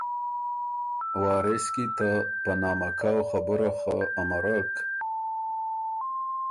وارث کی ته په نامه کؤ خبُره خه امرک